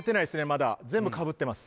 まだ全部かぶってます